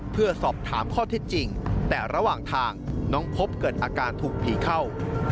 เพื่อสอบถามข้อเท็จจริงแต่ระหว่างทางน้องพบเกิดอาการถูกผีเข้า